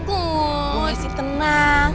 bu messi tenang